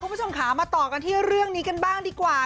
คุณผู้ชมค่ะมาต่อกันที่เรื่องนี้กันบ้างดีกว่า